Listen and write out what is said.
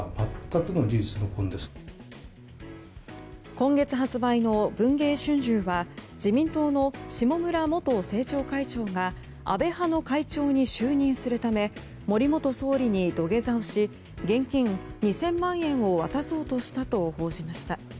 今月発売の「文藝春秋」は自民党の下村元政調会長が安倍派の会長に就任するため森元総理に土下座をし現金２００万円を渡そうとしたと報じました。